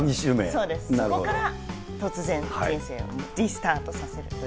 そこから突然、人生をリスタートさせてという。